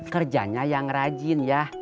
kerjanya yang rajin ya